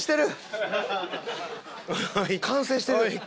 完成してる！